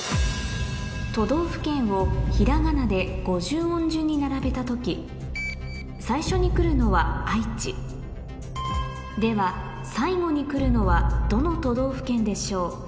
都道府県をひらがなで５０音順に並べた時最初に来るのは「あいち」では最後に来るのはどの都道府県でしょう？